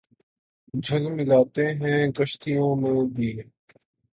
جھلملاتے ہیں کشتیوں میں دیے